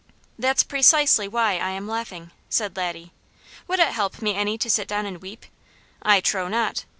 "That's precisely why I am laughing," said Laddie. "Would it help me any to sit down and weep? I trow not!